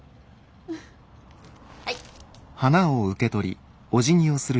はい。